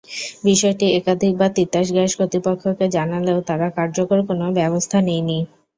বিষয়টি একাধিকবার তিতাস গ্যাস কর্তৃপক্ষকে জানালেও তারা কার্যকর কোনো ব্যবস্থা নেয়নি।